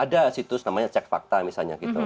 ada situs namanya cek fakta misalnya gitu